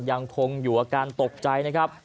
ยังคงอยู่อาการตกใจนะครับ